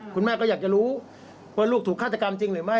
คุณแม่ก็อยากจะรู้ว่าลูกถูกฆาตกรรมจริงหรือไม่